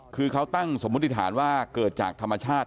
คือเขาตั้งสมมุติฐานว่าเกิดจากธรรมชาติ